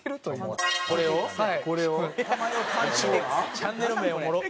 チャンネル名おもろっ。